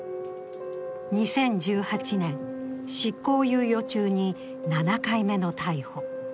２０１８年、執行猶予中に７回目の逮捕。